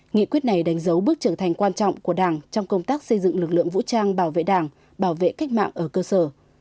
nghị quyết này đánh dấu bước trưởng thành quan trọng của đảng trong công tác xây dựng lực lượng vũ trang bảo vệ đảng bảo vệ cách mạng ở cơ sở